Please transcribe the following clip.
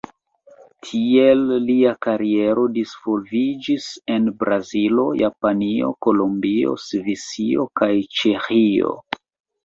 Tiel lia kariero disvolviĝis en Brazilo, Japanio, Kolombio, Svisio kaj Ĉeĥio.